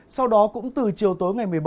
sau đó cũng từ chiều tối ngày một mươi ba